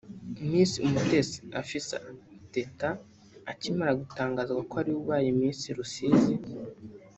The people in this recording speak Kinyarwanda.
Miss Umutesi Afsa Teta akimara gutangazwa ko ariwe ubaye Miss Rusizi